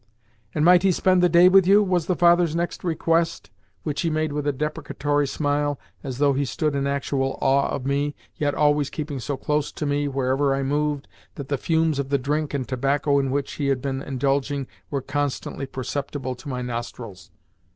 "And might he spend the day with you?" was the father's next request, which he made with a deprecatory smile, as though he stood in actual awe of me, yet always keeping so close to me, wherever I moved, that the fumes of the drink and tobacco in which he had been indulging were constantly perceptible to my nostrils.